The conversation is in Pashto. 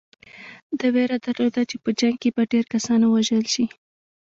ده وېره درلوده چې په جنګ کې به ډېر کسان ووژل شي.